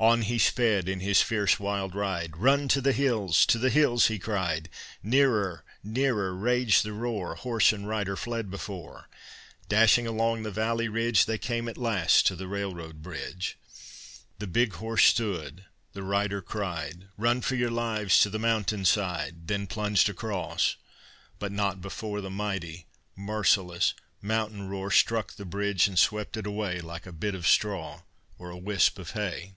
On he sped in his fierce, wild ride. "Run to the hills! to the hills!" he cried. Nearer, nearer raged the roar Horse and rider fled before. Dashing along the valley ridge, They came at last to the railroad bridge. The big horse stood, the rider cried, "Run for your lives to the mountain side!" Then plunged across, but not before The mighty, merciless mountain roar Struck the bridge and swept it away Like a bit of straw or a wisp of hay.